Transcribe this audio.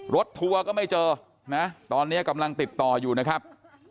ทัวร์ก็ไม่เจอนะตอนนี้กำลังติดต่ออยู่นะครับ